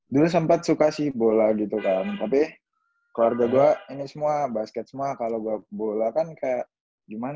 dulu sempat suka sih bola gitu kan tapi keluarga gue ini semua basket semua kalau gue bola kan kayak gimana